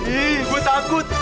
ih gue takut